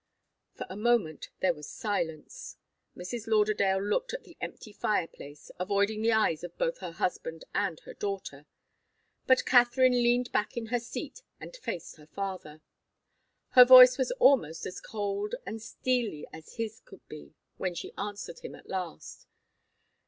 For a moment there was silence. Mrs. Lauderdale looked at the empty fireplace, avoiding the eyes of both her husband and her daughter. But Katharine leaned back in her seat and faced her father. Her voice was almost as cold and steely as his could be when she answered him at last.